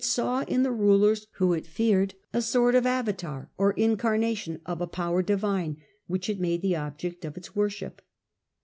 saw in the rulers whom it feared a sort of avatar or incarnation of a power divine, which it made the object of its worship.